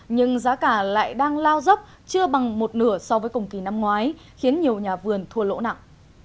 nhưng giá cả lại đang lao dốc chưa bằng một nửa so với cùng kỳ năm ngoái khiến nhiều nhà vườn thua lỗ nặng